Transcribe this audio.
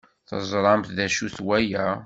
Teẓramt d acu-t waya?